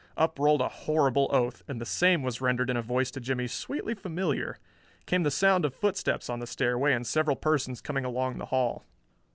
Up rolled a horrible oath, and the same was rendered in a voice to Jimmie sweetly familiar. Came the sound of footsteps on the stairway and several persons coming along the hall.